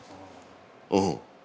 うん。